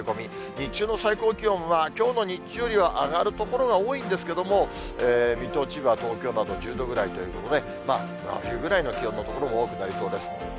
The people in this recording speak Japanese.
日中の最高気温は、きょうの日中よりは上がる所は多いんですけれども、水戸、千葉、東京など１０度ぐらいということで、真冬ぐらいの気温の所も多くなりそうです。